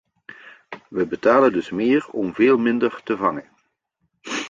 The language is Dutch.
We betalen dus meer om veel minder te vangen.